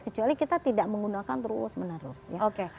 kecuali kita tidak menggunakan terus menerus ya